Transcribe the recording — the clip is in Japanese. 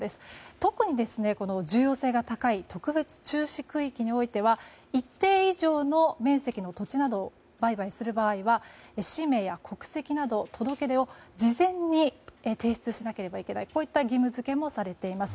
特に重要性が高い特別注視区域においては一定以上の面積の土地などを売買する場合は氏名や国籍などの届け出を事前に提出しなければならないといった義務付けもされています。